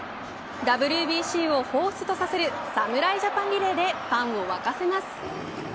ＷＢＣをほうふつさせる侍ジャパンリレーでファンを沸かせます。